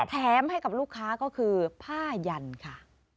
แถมให้กับลูกค้าก็คือผ้ายันค่ะ